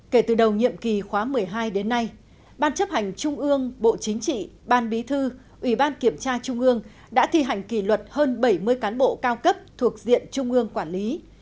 kể từ đầu nhiệm kỳ khóa một mươi hai đến nay ban chấp hành trung ương bộ chính trị ban bí thư ủy ban kiểm tra trung ương đã thi hành kỷ luật hơn bảy mươi cán bộ cao cấp thuộc diện trung ương quản lý